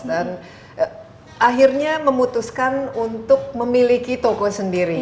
dan akhirnya memutuskan untuk memiliki toko sendiri